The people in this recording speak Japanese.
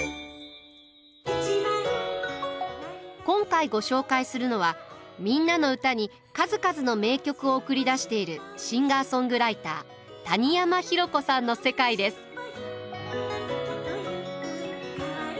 今回ご紹介するのは「みんなのうた」に数々の名曲を送り出しているシンガーソングライター「谷山浩子さんの世界」です。